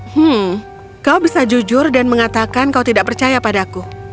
hmm kau bisa jujur dan mengatakan kau tidak percaya padaku